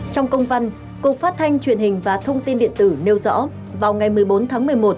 trong công văn cục phát thanh truyền hình và thông tin điện tử nêu rõ vào ngày một mươi bốn tháng một mươi một